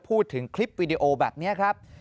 พูดถึงคลิปวิดีโอแบบนี้ครับ